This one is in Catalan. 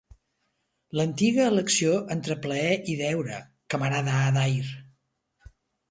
L'antiga elecció entre plaer i deure, camarada Adair.